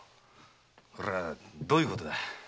これはどういうことだ？